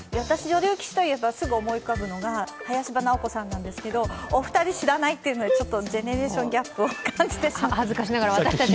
女流棋士と言えば思い浮かぶのは林葉直子さんなんですけどお二人、知らないっていうのでジェネレーションギャップを感じました。